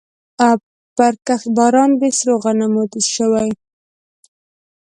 پرکښت باران د سرو غنمو شوی